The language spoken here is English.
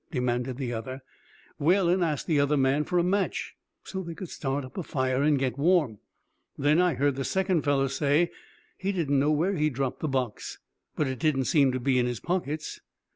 demanded the other. "Whalen asked the other man for a match, so they could start up a fire and get warm. Then I heard the second fellow say he didn't know where he'd dropped the box, but it didn't seem to be in his pockets.